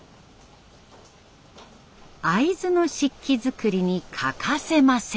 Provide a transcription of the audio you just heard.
会津の漆器作りに欠かせません。